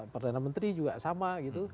perdana menteri juga sama gitu